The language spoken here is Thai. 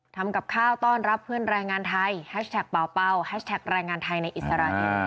ทำกับข้าวต้อนรับเพื่อนแรงงานไทยแฮชแท็กเป่าแฮชแท็กแรงงานไทยในอิสราเอล